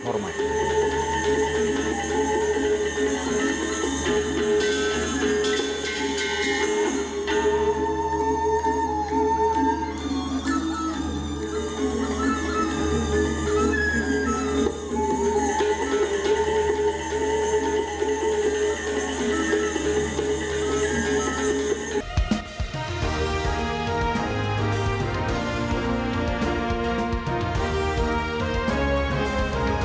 bagaimana cara untuk membuatnya